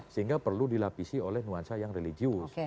sehingga perlu dilapisi oleh nuansa yang religius